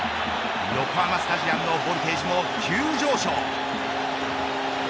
横浜スタジアムのボルテージも急上昇。